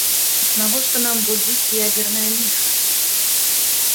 Дык навошта нам будзіць ядзернае ліха?